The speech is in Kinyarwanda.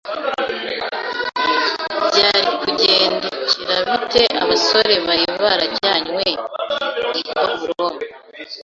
Byari kugendekera bite abasore bari barajyanywe i Babuloni